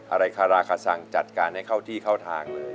อะไรคาราคาซังจัดการให้เข้าที่เข้าทางเลย